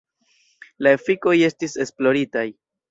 La efikoj estis esploritaj.